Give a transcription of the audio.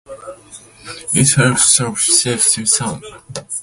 It helps stabilize shifting sand.